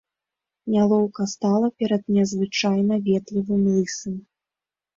Нялоўка стала перад незвычайна ветлівым лысым.